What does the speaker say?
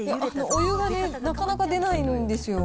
お湯がね、なかなか出ないんですよ。